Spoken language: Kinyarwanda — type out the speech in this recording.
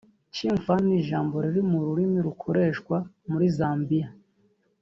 Chimfana n'ijambo riri mu rurimi rukoreshwa muri Zambia